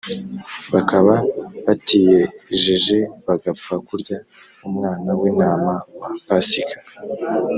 Bakaba batiyejeje bagapfa kurya umwana w’intama wa Pasika